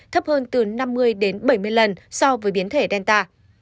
thấp hơn từ năm mươi đến bảy mươi lần so với biến thể delta